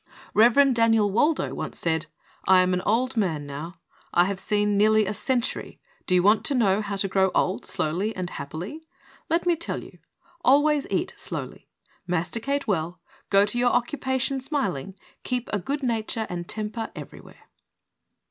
Rev. Daniel Waldo once said: "I am an old man now; I have seen nearly a cen tury. Do you want to know how to grow old slowly and happily? Let me tell you. Always eat slowly, masticate well, go to your occupation smiling, keep a good nature and temper everywhere."